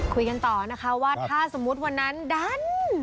คุยกันต่อนะคะว่าถ้าสมมุติวันนั้นดัน